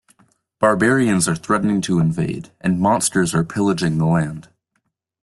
Barbarians are threatening to invade, and monsters are pillaging the land.